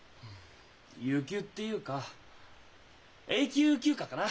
有給っていうか永久休暇かな？